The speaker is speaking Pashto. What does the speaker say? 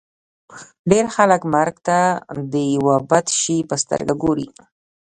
ډېر خلک مرګ ته د یوه بد شي په سترګه ګوري